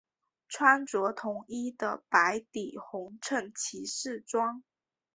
穿着统一的白底红衬骑士装。